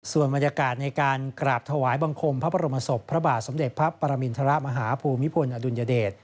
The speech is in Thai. ส่วนบรรยากาศในการกราบถวายบังคมพระบรมศพพระบาทสมเด็จพระปรมินทรมาฮภูมิพลอดุลยเดช